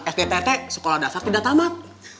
fdt sekolah dasar tidak tamat